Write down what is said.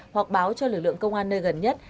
hoặc báo cho lực lượng công an nơi gần nhất